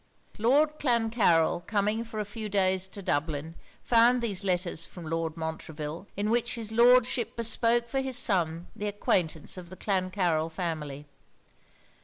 Lord Clancarryl coming for a few days to Dublin, found there letters from Lord Montreville, in which his Lordship bespoke for his son the acquaintance of the Clancarryl family.